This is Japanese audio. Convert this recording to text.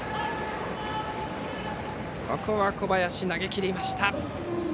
ここは小林、投げきりました。